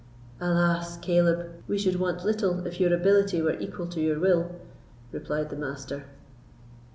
"Alas! Caleb, we should want little if your ability were equal to your will," replied the Master.